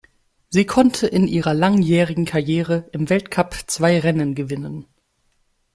Sie konnte in ihrer langjährigen Karriere im Weltcup zwei Rennen gewinnen.